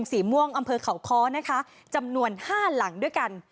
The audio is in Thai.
สีม่วงอำเภอเขาค้อนะคะจำนวน๕หลังด้วยกัน